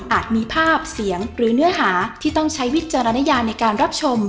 มีภาพเสียงหรือเนื้อหาที่ต้องใช้วิจารณญาในการรับชม